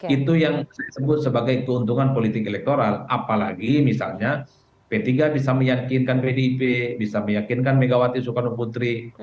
itu yang saya sebut sebagai keuntungan politik elektoral apalagi misalnya p tiga bisa meyakinkan pdip bisa meyakinkan megawati soekarno putri